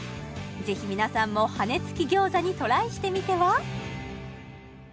ぜひ皆さんも羽根つき餃子にトライしてみては？